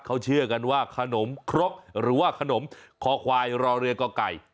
เขาเชื่อกันว่าขนมครกหรือว่าขนมคอควายรอเรือก่อไก่